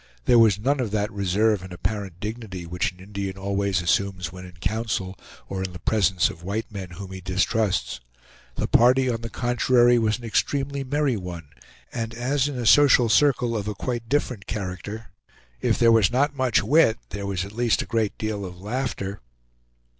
There was none of that reserve and apparent dignity which an Indian always assumes when in council, or in the presence of white men whom he distrusts. The party, on the contrary, was an extremely merry one; and as in a social circle of a quite different character, "if there was not much wit, there was at least a great deal of laughter."